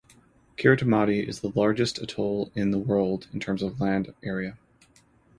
Kiritimati is the largest atoll in the world in terms of land area.